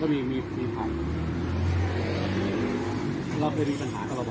ตอนนี้กำหนังไปคุยของผู้สาวว่ามีคนละตบ